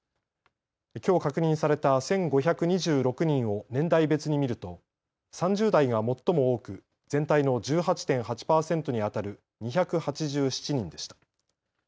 きょう確認された１５２６人を年代別に見ると３０代が最も多く全体の１８．８％にあたる２８７人でした。